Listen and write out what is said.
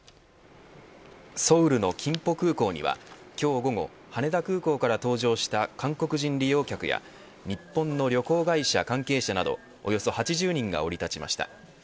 ソウルの金浦空港には今日午後、羽田空港から搭乗した韓国人利用客や日本の旅行会社関係者などおよそ８０人が降り立ちました。